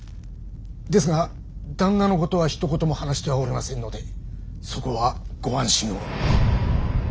ですが旦那のことはひと言も話してはおりませんのでそこはご安心を。